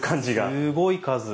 すごい数。